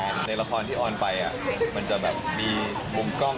ในละครที่ออนไปมันจะแบบมีมุมกล้อง